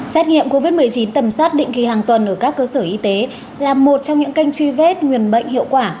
xét nghiệm covid một mươi chín tầm soát định kỳ hàng tuần ở các cơ sở y tế là một trong những kênh truy vết nguyên bệnh hiệu quả